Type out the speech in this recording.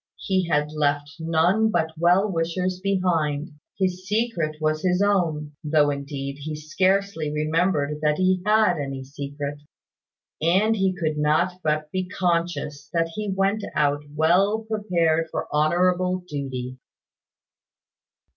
He had left none but well wishers behind. His secret was his own; (though, indeed, he scarcely remembered that he had any secret;) and he could not but be conscious that he went out well prepared for honourable duty.